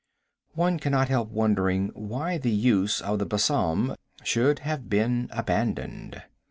One cannot help wondering why the use of the besom should have been abandoned.